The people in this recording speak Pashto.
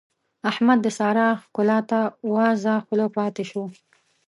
احمد د سارا ښکلا ته وازه خوله پاته شو.